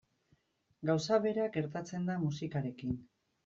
Gauza bera gertatzen da musikarekin.